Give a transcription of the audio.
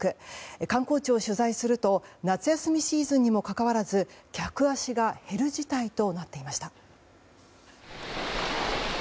観光地を取材すると夏休みシーズンにもかかわらず客足が減る事態となっていました。